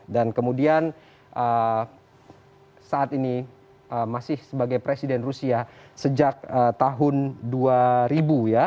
dan kemudian saat ini masih sebagai presiden rusia sejak tahun dua ribu ya